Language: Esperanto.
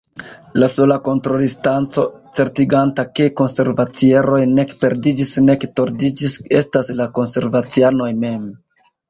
La sola kontrolinstanco certiganta, ke konversacieroj nek perdiĝis nek tordiĝis, estas la konversacianoj mem.